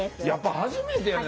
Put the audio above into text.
やっぱ初めて。